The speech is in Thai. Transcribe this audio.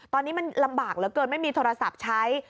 ตอนนี้มันลำบากเหลือเกินไม่มีโทรศัพท์ใช้